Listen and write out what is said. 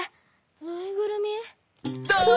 ぬいぐるみ？だあ！